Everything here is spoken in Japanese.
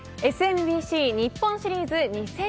ＳＭＢＣ日本シリーズ２０２２